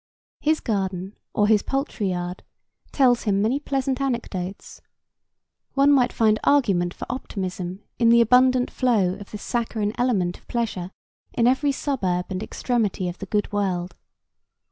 His garden or his poultry yard tells him many pleasant anecdotes. One might find argument for optimism in the abundant flow of this saccharine element of pleasure in every suburb and extremity of the good world.